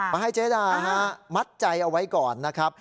มาให้เจ๊ดามัดใจเอาไว้ก่อนนะครับ